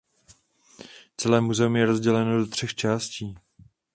Celé muzeum je rozděleno do třech částí.